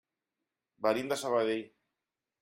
Venim de Sabadell.